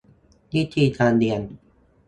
วิธีการเรียน